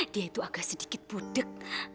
dia itu agak sedikit pudek